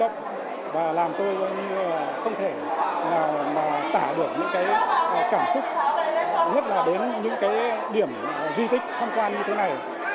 cảm xúc nhất là đến những cái điểm di tích tham quan như thế này